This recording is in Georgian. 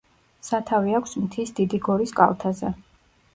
სათავე აქვს მთის დიდი გორის კალთაზე.